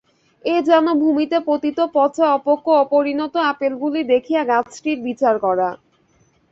এ যেন ভূমিতে পতিত পচা অপক্ব অপরিণত আপেলগুলি দেখিয়া গাছটির বিচার করা।